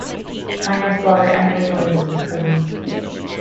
The finance blogger Emma Needleman is his cousin.